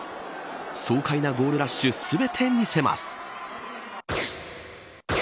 爽快なゴールラッシュ全て見せます。